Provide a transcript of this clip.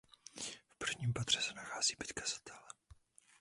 V prvním patře se nachází byt kazatele.